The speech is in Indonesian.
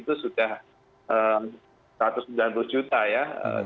pengunduh platformnya go cek itu sudah rp satu ratus sembilan puluh juta ya